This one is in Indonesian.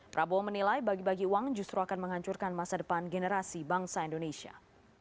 prabowo menilai bagi bagi uang justru akan menghancurkan masa depan generasi bangsa indonesia